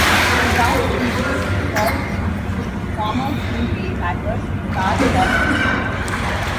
The Browns replaced Skorich with former Green Bay Packers star Forrest Gregg.